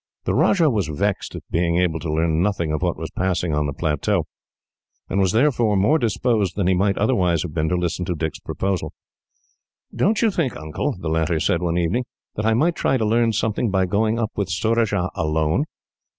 The Rajah was vexed at being able to learn nothing of what was passing on the plateau, and was therefore more disposed than he might otherwise have been to listen to Dick's proposal. "Don't you think, Uncle," the latter said one evening, "that I might try to learn something by going up with Surajah alone?